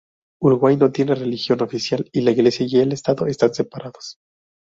Uruguay no tiene religión oficial y la Iglesia y el Estado están separados.